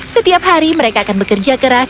setiap hari mereka akan bekerja keras